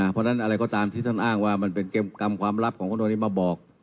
เพราะฉะนั้นอะไรก็ตามที่ท่านอ้างว่ามันเป็นกรรมความลับของคนตรงนี้มาบอก